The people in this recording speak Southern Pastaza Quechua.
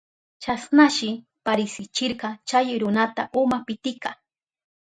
Chasnashi parisichirka chay runata uma pitika.